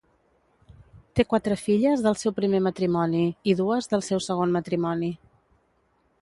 Té quatre filles del seu primer matrimoni i dues del seu segon matrimoni.